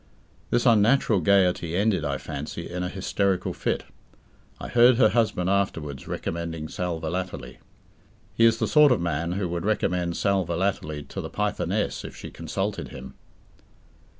This unnatural gaiety ended, I fancy, in an hysterical fit. I heard her husband afterwards recommending sal volatile. He is the sort of man who would recommend sal volatile to the Pythoness if she consulted him.